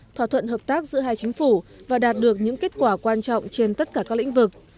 thỏa thuận hợp tác giữa hai chính phủ và đạt được những kết quả quan trọng trên tất cả các lĩnh vực